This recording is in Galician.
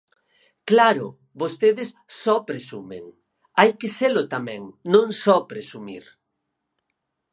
Claro, vostedes só presumen; hai que selo tamén, non só presumir.